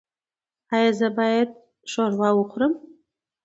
ایا زه باید شوروا وخورم؟